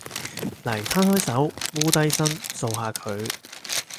嚟，攤開手，摀低身，掃下佢